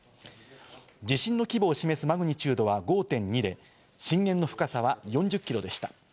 地震の規模を示すマグニチュードは５．２で、震源の深さは４０キロでした。